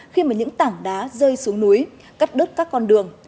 khi mà những tảng đá rơi xuống núi cắt đứt các con đường